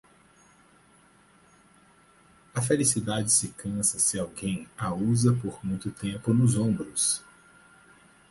A felicidade se cansa se alguém a usa por muito tempo nos ombros.